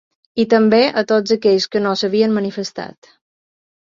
I també a tots aquells que no s’havien manifestat.